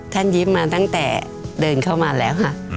ยิ้มมาตั้งแต่เดินเข้ามาแล้วค่ะ